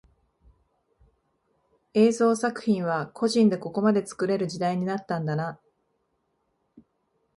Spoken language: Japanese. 映像作品は個人でここまで作れる時代になったんだな